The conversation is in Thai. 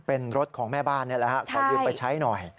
เป็นรถของแม่บ้านนี่แหละฮะขอยืมไปใช้หน่อย